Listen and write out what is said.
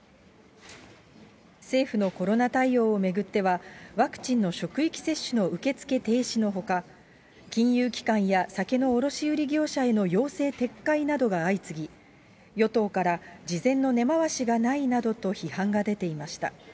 政府のコロナ対応を巡っては、ワクチンの職域接種の受け付け停止のほか、金融機関や酒の卸業者への要請撤回などが相次ぎ、与党から事前の根回しがないなどと批判が出ていました。